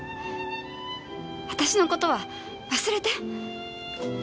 私のことは忘れて。